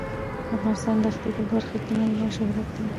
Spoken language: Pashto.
افغانستان د ښتې په برخه کې نړیوال شهرت لري.